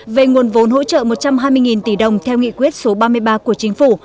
về nguồn vốn hỗ trợ một trăm hai mươi tỷ đồng theo nghị quyết số ba mươi ba của chính phủ